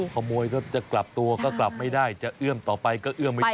ขโมยก็จะกลับตัวก็กลับไม่ได้จะเอื้อมต่อไปก็เอื้อมไม่ได้